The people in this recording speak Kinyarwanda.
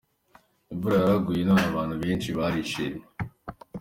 Imvura yaraguye none abantu bensi barishimye.